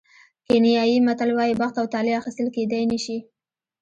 کینیايي متل وایي بخت او طالع اخیستل کېدای نه شي.